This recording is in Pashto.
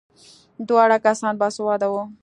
دواړه کسان باسواده وو.